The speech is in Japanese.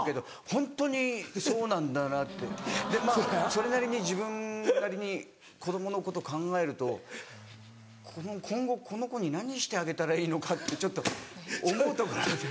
それなりに自分なりに子供のこと考えると今後この子に何してあげたらいいのかってちょっと思うところあるんです。